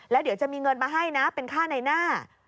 แล้วเดี๋ยวจะมีเงินมาให้นะเป็นค่าในหน้า